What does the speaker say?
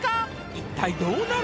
一体どうなる？